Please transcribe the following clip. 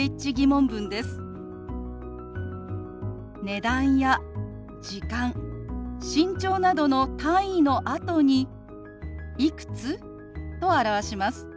値段や時間身長などの単位のあとに「いくつ？」と表します。